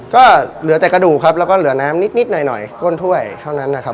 ก็เหลือแต่กระดูกครับแล้วก็เหลือน้ำนิดหน่อยก้นถ้วยเท่านั้นนะครับ